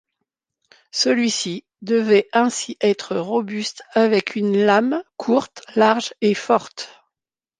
Celui-ci devait ainsi être robuste avec une lame courte, large et forte.